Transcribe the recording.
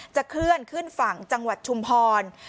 เคลื่อนขึ้นฝั่งจังหวัดชุมพร